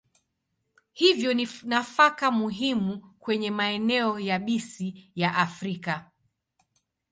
Hivyo ni nafaka muhimu kwenye maeneo yabisi ya Afrika.